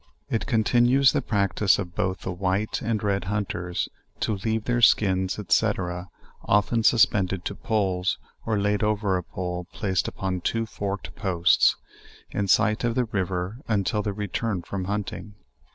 It continues the practice of both the white and red hunters to leave their skins, &c. often suspen ded to poles, or laid over a pole placed upon two forked posts, in sight of the river until their return from hunting.